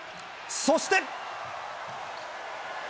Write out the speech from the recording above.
そして。